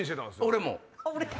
俺も！